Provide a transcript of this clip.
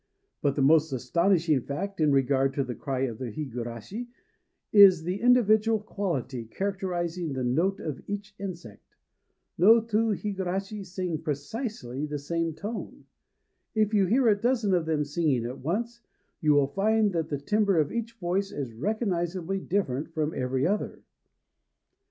But the most astonishing fact in regard to the cry of the higurashi is the individual quality characterizing the note of each insect. No two higurashi sing precisely in the same tone. If you hear a dozen of them singing at once, you will find that the timbre of each voice is recognizably different from every other.